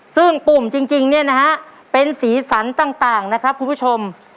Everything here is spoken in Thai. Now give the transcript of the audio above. ซึ่งปุ่มจริงเนี่ยนะฮะเป็นสีสันต่างนะครับคุณผู้ชม